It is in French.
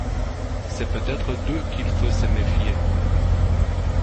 C’est peut-être d’eux qu’il faut se méfier.